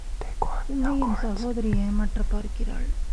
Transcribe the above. உன்னை என் சகோதரி ஏமாற்றப் பார்க்கிறாள்.